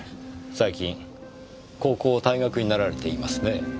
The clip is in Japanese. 最近高校を退学になられていますね？